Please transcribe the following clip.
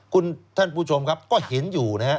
คุณท่านผู้ชมครับก็เห็นอยู่